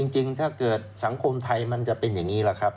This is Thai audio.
จริงถ้าเกิดสังคมไทยมันจะเป็นอย่างนี้แหละครับ